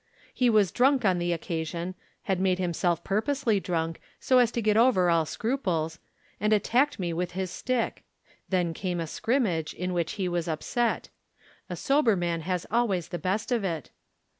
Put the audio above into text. He was drunk on the occasion, had made himself purposely drunk, so as to get over all scruples, and attacked me with his stick. Then came a scrimmage, in which he was upset. A sober man has always the best of it."